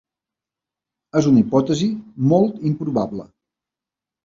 És una hipòtesi molt improbable.